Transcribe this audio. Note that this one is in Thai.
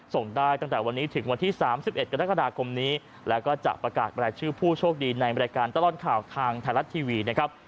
ส่งได้ตั้งแต่วันนี้ถึงวันที่๓๑กรกฎาคมนี้แล้วก็จะประกาศรายชื่อผู้โชคดีในรายการตลอดข่าวทางไทยรัฐทีวีนะครับ